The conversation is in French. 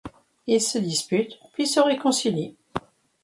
Ils se disputent puis se réconcilient.